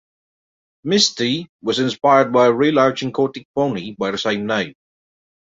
"Misty" was inspired by a real-life Chincoteague Pony by the same name.